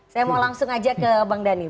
saya mau langsung aja ke bang dhani